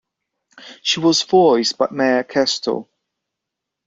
She was voiced by Mae Questel.